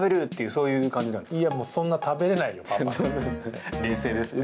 みたいな感じなんですか。